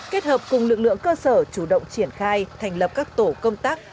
kết hợp cùng lực lượng cơ sở chủ động triển khai thành lập các tổ công tác